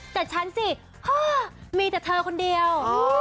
แต่ฉันสิพ่อมีแต่เธอคนเดียว